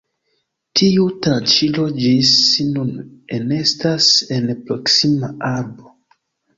Tiu tranĉilo ĝis nun enestas en proksima arbo.